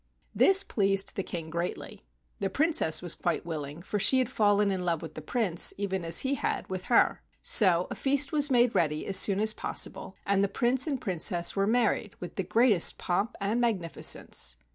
This pleased the King greatly. The Prin¬ cess was quite willing, for she had fallen in love with the Prince even as he had with her. So a feast was made ready as soon as possible, and 41 THE WONDERFUL RING the Prince and Princess were married with the greatest pomp and magnificence.